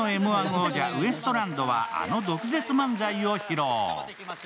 王者、ウエストランドは毒舌漫才を披露。